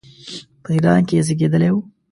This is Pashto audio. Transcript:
په ایران کې زېږېدلی وو.